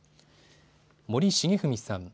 森重文さん。